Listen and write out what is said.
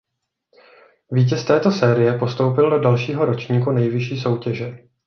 Vítěz této série postoupil do dalšího ročníku nejvyšší soutěže.